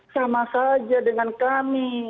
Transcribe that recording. sama saja dengan kami